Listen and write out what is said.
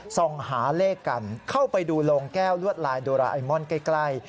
ส่องหาเลขกันเข้าไปดูโรงแก้วลวดลายโดราไอมอนใกล้